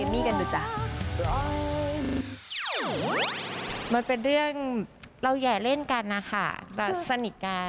มันเป็นเรื่องเราแห่เล่นกันนะคะแต่สนิทกัน